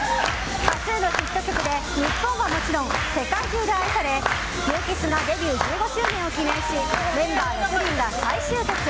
多数のヒット曲で日本はもちろん世界中で愛され、ＵＫＩＳＳのデビュー１５周年を記念しメンバー６人が大集結。